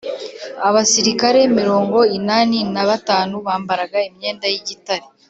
Abasirikare mirongo inani na batanu bambaraga imyenda y’igitare